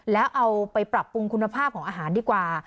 แล้วเอาไปปรับปรุงคุณภาพของอาหารดีกว่า